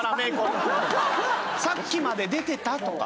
「さっきまで出てた？」とか。